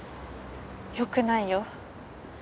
よくないよ。